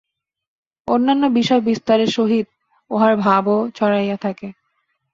অন্যান্য বিষয়-বিস্তারের সহিত উহার ভাবও ছড়াইয়া থাকে।